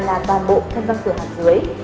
là toàn bộ thân răng cửa hàm dưới